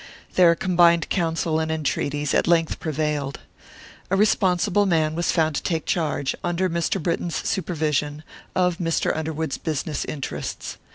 Their combined counsel and entreaties at length prevailed. A responsible man was found to take charge, under Mr. Britton's supervision, of Mr. Underwood's business interests.